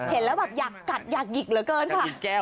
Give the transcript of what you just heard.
เห็นแล้วอยากกัดอยากหยิกเหลือเกินค่ะอยากหยิกแก้ม